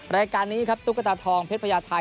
รายการนี้ครับตุ๊กตาทองเพชรพญาไทย